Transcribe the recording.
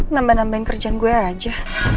nambah nambahin kerjaan gue aja